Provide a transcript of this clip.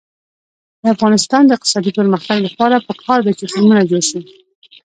د افغانستان د اقتصادي پرمختګ لپاره پکار ده چې فلمونه جوړ شي.